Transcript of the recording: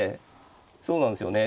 そうなんですよね